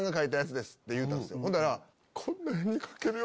ほんだら。